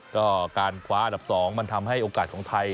ก็การคว้าอันดับ๒มันทำให้โอกาสของไทย